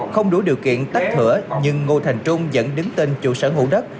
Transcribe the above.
không đủ điều kiện tách thửa nhưng ngô thành trung vẫn đứng tên chủ sở hữu đất